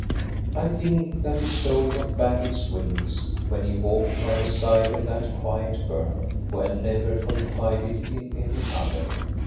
I think that his soul got back its wings when he walked by the side of that quiet girl, who had never confided in any other.